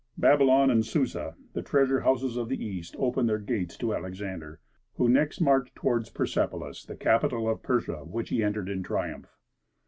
Babylon and Susa, the treasure houses of the East, opened their gates to Alexander, who next marched toward Persepolis, the capital of Persia, which he entered in triumph.